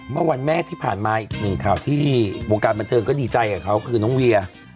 เมื่อวันแม่ที่ผ่านมาอีกหนึ่งข่าวที่วงการบันเทิงก็ดีใจกับเขาคือน้องเวีย